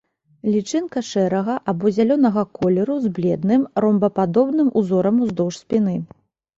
Лічынка шэрага або зялёнага колеру з бледным, ромбападобным узорам уздоўж спіны.